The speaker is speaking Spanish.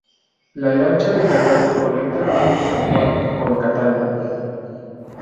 La lancha de Cataño conecta el Viejo San Juan con Cataño.